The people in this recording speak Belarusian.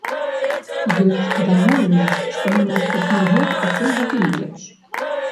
Ёсць дамоўленасць, што на наступны год усё будзе лепш.